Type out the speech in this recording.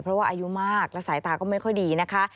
เพราะว่าอายุมากและสายตาก็ไม่ค่อยดีนะคะ